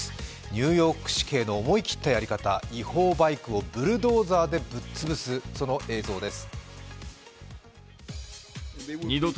ニューヨーク市警の思い切ったやり方違法バイクをブルドーザーでぶっ潰す、その映像です。